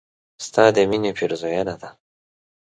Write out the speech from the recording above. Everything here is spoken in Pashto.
ستا د مينې پيرزوينه ده